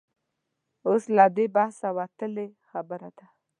اوس له دې بحثه وتلې خبره ده.